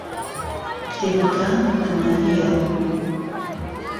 کتێبەکە پەمەیییە.